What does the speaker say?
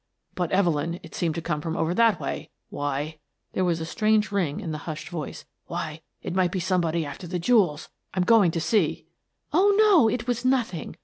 " But, Evelyn, it seemed to come from over that way. Why —" there was a strange ring in the hushed voice —" why, it might be somebody after the jewels ! I'm going to see." "Oh, no! It was nothing.